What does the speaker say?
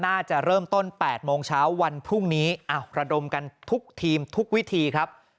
น่าจะเริ่มต้น๘โมงเช้าวันพรุ่งนี้อ้าวระดมกันทุกทีมทุกวิธีครับ